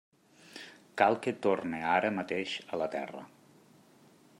Cal que torne ara mateix a la Terra.